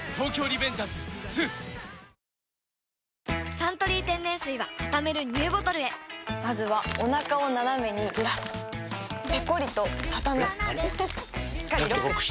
「サントリー天然水」はたためるＮＥＷボトルへまずはおなかをナナメにずらすペコリ！とたたむしっかりロック！